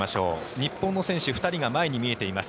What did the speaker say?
日本の選手２人が前に見えています。